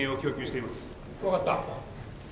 分かった。